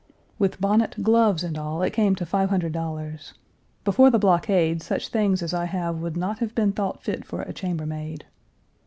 With bonnet, gloves, and all Page 300 it came to $500. Before the blockade such things as I have would not have been thought fit for a chamber maid.